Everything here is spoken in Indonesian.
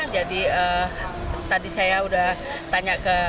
jadi tadi saya sudah tanya ke